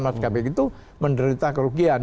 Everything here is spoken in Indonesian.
mas kb itu menderita kerugian